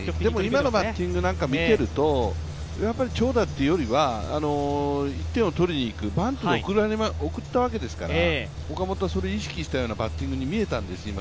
今のバッティングなんか見ていると、長打というよりは１点を取りにいく、バントで送ったわけですから岡本はそれを意識したようなバッティングに見えたんですよ。